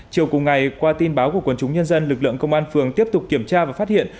chiều cùng ngày qua tin báo của quân chúng nhân dân lực lượng công an phường tiếp tục kiểm tra và phát hiện